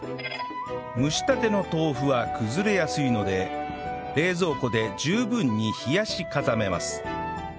蒸したての豆腐は崩れやすいので冷蔵庫で十分に冷やし固めます